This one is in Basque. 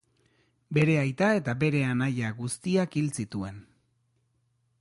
Bere aita eta bere anaia guztiak hil zituen.